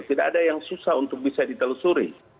tidak ada yang susah untuk bisa ditelusuri